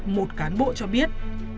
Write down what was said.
một cán bộ cho biết